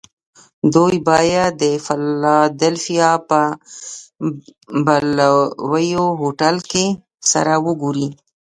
دوی باید د فلادلفیا په بلوویو هوټل کې سره و ګوري